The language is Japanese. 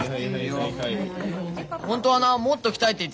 本当はなもっと来たいって言ってたんだよ。